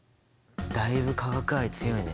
だいぶ化学愛強いね。